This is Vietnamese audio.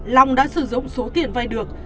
long đã sử dụng số tiền vay được